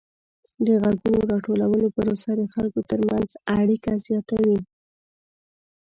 د غږونو راټولولو پروسه د خلکو ترمنځ اړیکه زیاتوي.